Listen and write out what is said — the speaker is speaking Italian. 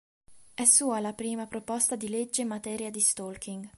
È sua la prima proposta di legge in materia di stalking.